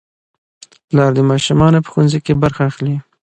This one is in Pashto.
پلار د ماشومانو په ښوونځي کې برخه اخلي